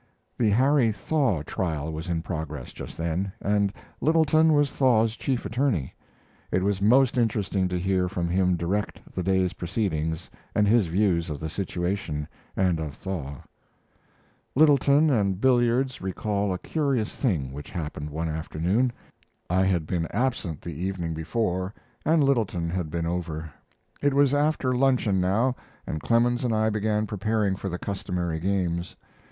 The Harry Thaw trial was in progress just then, and Littleton was Thaw's chief attorney. It was most interesting to hear from him direct the day's proceedings and his views of the situation and of Thaw. Littleton and billiards recall a curious thing which happened one afternoon. I had been absent the evening before, and Littleton had been over. It was after luncheon now, and Clemens and I began preparing for the customary games.